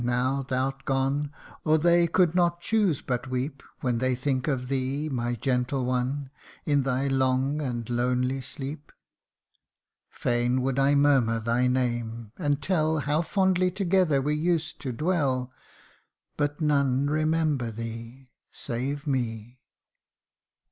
now thou 'rt gone, Or they could not choose but weep, When they think of thee, my gentle one, In thy long and lonely sleep. Fain would I murmur thy name, and tell How fondly together we used to dwell But none remember thee Save me